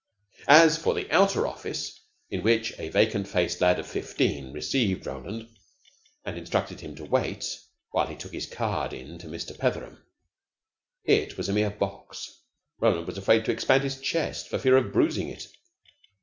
As for the outer office, in which a vacant faced lad of fifteen received Roland and instructed him to wait while he took his card in to Mr. Petheram, it was a mere box. Roland was afraid to expand his chest for fear of bruising it.